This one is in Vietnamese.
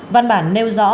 văn bản nêu rõ